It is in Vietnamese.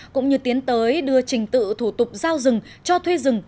cũng như tiến tới đưa trình tự thủ tục giao rừng cho thuê rừng